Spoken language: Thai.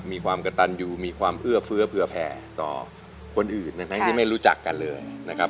มีความกระตันอยู่มีความเอื้อเฟื้อเผื่อแผ่ต่อคนอื่นทั้งที่ไม่รู้จักกันเลยนะครับ